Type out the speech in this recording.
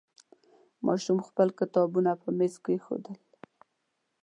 ماشوم خپل کتابونه په میز کېښودل.